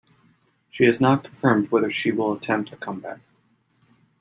She has not confirmed whether she will attempt a comeback.